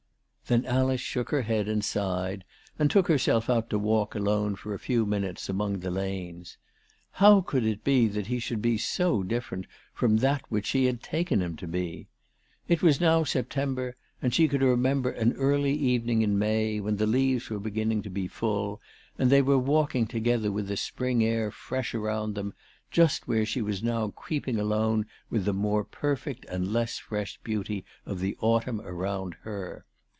Then Alice shook her head and sighed, and took herself out to walk alone for a few minutes among the lanes. How could it be that he should be so different from that which she had taken him to be ! It was now September, and she could remember an early evening in May, when the leaves were beginning to be full, and they were walking together with the spring air fresh around them, just where she was now creeping alone with the more perfect and less fresh beauty of the autumn around her.